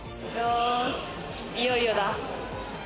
いよいよだ！